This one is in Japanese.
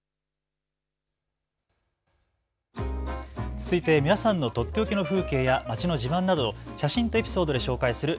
続いて皆さんのとっておきの風景や街の自慢などを写真とエピソードで紹介する＃